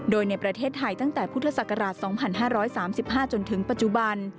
โดยในประเทศไทยตั้งแต่พุทธศักราช๒๕๓๕จนถึงปัจจุบัน